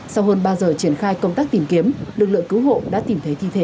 sau hơn ba giờ triển khai công tác tìm kiếm lực lượng cứu hộ đã tìm thấy thi thể